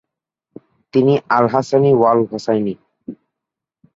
তিনি আল-হাসানি-ওয়াল-হোসাইনি।